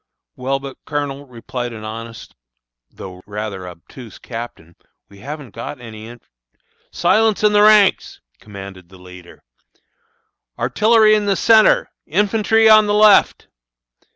"Well, but, Colonel," replied an honest, though rather obtuse captain, "we haven't got any inf " "Silence in the ranks!" commanded the leader. "Artillery in the centre, infantry on the left."